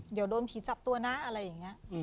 เดี๋ยวโดนผีจับตัวนะอะไรอย่างนี้